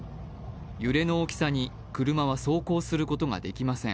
揺れの大きさに車は走行することができません。